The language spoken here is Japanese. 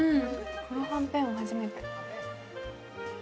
黒はんぺんは初めて。